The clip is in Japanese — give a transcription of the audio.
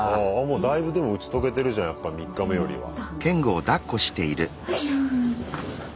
だいぶでも打ち解けてるじゃないやっぱ３日目よりは。